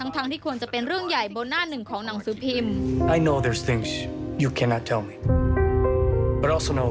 ทั้งที่ควรจะเป็นเรื่องใหญ่บนหน้าหนึ่งของหนังสือพิมพ์